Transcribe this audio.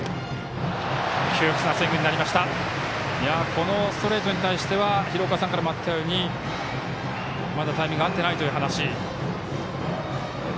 このストレートに対しては廣岡さんからもあったようにまだタイミングが合っていないというお話。